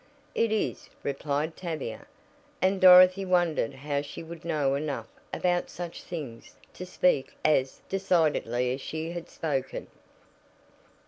"It is," replied Tavia, and Dorothy wondered how she would know enough about such things to speak as decidedly as she had spoken.